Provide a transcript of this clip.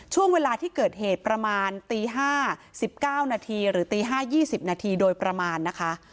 ช่วงเวลาที่เกิดเหตุประมาณตี๕๑๙นาทีหรือตี๕๒๐นาทีโดยประมาณนะคะ